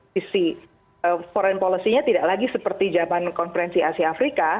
sisi foreign policy nya tidak lagi seperti zaman konferensi asia afrika